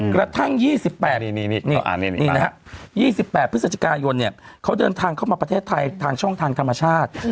กระทั่ง๒๘๒๘พฤศจิกายนเขาเดินทางเข้ามาประเทศไทยทางช่องทางธรรมชาติ